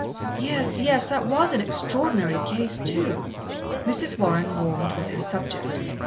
"Yes, yes. That was an Extraordinary Case too." Mrs. Warren warmed with her subject.